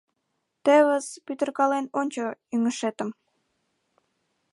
Тевыс, пӱтыркален ончо ӱҥышетым.